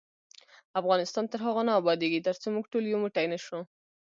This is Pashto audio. افغانستان تر هغو نه ابادیږي، ترڅو موږ ټول یو موټی نشو.